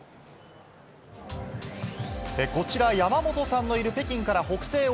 こちら、山本さんのいる北京から北西